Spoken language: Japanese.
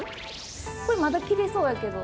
これまだ着れそうやけど。